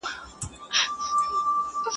تلویزیوني خپرونې بېلابېل موضوعات لري